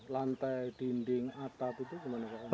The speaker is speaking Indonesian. lantai dinding atap itu gimana pak